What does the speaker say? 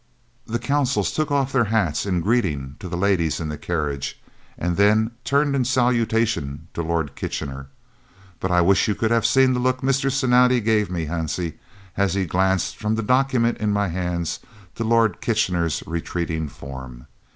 "The Consuls took off their hats in greeting to the ladies in the carriage, and then turned in salutation to Lord Kitchener, but I wish you could have seen the look Mr. Cinatti gave me, Hansie, as he glanced from the document in my hands to Lord Kitchener's retreating form.